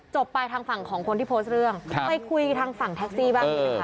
ไปทางฝั่งของคนที่โพสต์เรื่องไปคุยทางฝั่งแท็กซี่บ้างดีไหมคะ